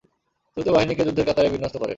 দ্রুত বাহিনীকে যুদ্ধের কাতারে বিন্যস্ত করেন।